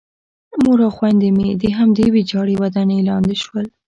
مور او خویندې مې د همدې ویجاړې ودانۍ لاندې شول